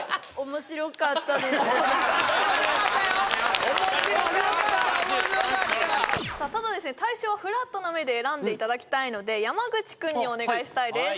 面白かった面白かったただ大賞はフラットな目で選んでいただきたいので山口君にお願いしたいです